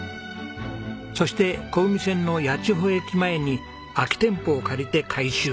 そして小海線の八千穂駅前に空き店舗を借りて改修。